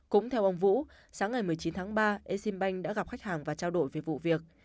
cũng theo ông vũ sáng ngày một mươi chín tháng ba e sim banh đã gặp khách hàng và trao đổi về vụ việc